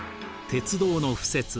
鉄道の敷設